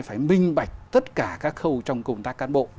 phải minh bạch tất cả các khâu trong công tác cán bộ